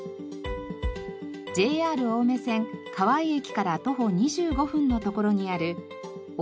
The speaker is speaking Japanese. ＪＲ青梅線川井駅から徒歩２５分のところにある大